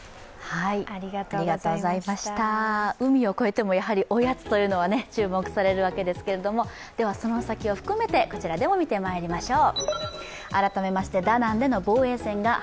海を越えてもやはりおやつというのは注目されるわけですけれどもそのサキを含め、こちらでも見てまいりましょう。